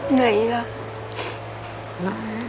เหนื่อยอีกหรอ